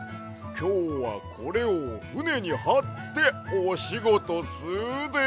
きょうはこれをふねにはっておしごとすで！